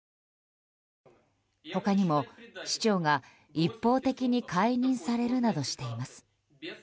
他にも市長が一方的に解任されるなどしています。